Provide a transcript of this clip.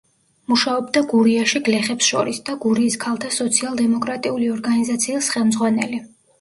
მუშაობდა გურიაში გლეხებს შორის, და გურიის ქალთა სოციალ-დემოკრატიული ორგანიზაციის ხელმძღვანელი.